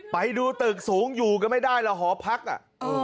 ไปดูตึกสูงอยู่กันไม่ได้ละหอพักอ่ะ